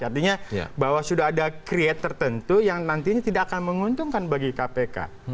artinya bahwa sudah ada create tertentu yang nantinya tidak akan menguntungkan bagi kpk